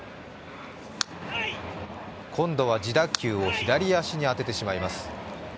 今度は自打球を左足に当ててしまいます。